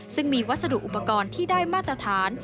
ซึ่งมีวัสดุอุปกรณ์ที่ได้มาตรฐาน